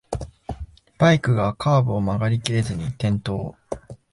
バイクがカーブを曲がりきれずに転倒